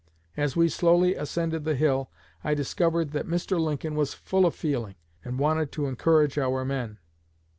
As we slowly ascended the hill, I discovered that Mr. Lincoln was full of feeling, and wanted to encourage our men.